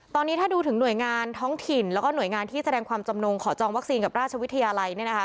ตอนนี้ถ้าดูถึงหน่วยงานท้องถิ่นแล้วก็หน่วยงานที่แสดงความจำนงขอจองวัคซีนกับราชวิทยาลัยเนี่ยนะคะ